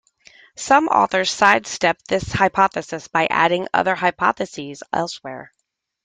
Some authors sidestep this hypothesis by adding other hypotheses elsewhere.